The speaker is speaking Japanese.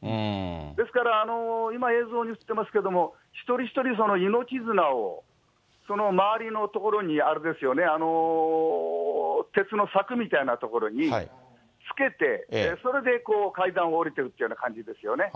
ですから、今、映像に映ってますけども、一人一人命綱をその周りの所にあれですよね、鉄の柵みたいな所につけて、それで階段を下りているというような感じですよね。